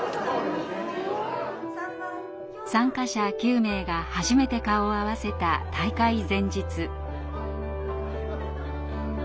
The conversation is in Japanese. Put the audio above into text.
参加者９名が初めて顔を合わせた大会前日。